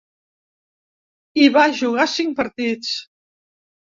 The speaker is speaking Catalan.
Hi va jugar cinc partits.